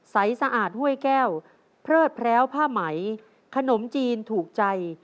สะอาดห้วยแก้วเพลิดแพร้วผ้าไหมขนมจีนถูกใจ